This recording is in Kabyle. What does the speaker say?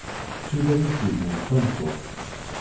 Tetturar-itt-id d tameṭṭut.